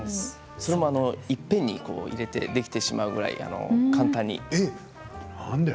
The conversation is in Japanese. いっぺんに入れてできてしまうぐらい簡単です。